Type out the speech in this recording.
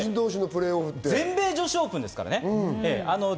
全米女子オープンですからね。